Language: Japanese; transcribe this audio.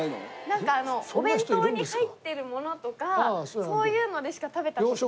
なんかあのお弁当に入ってるものとかそういうのでしか食べた事なくて。